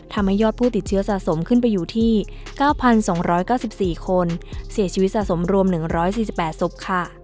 ทำให้ยอดผู้ติดเชื้อสะสมขึ้นไปอยู่ที่๙๒๙๔คนเสียชีวิตสะสมรวม๑๔๘ศพค่ะ